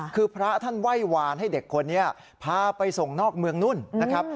คือพระท่านไหว้วานให้เด็กคนนี้พาไปส่งนอกเมืองนุ่นนะครับ